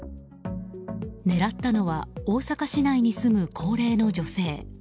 狙ったのは大阪市内に住む高齢の女性。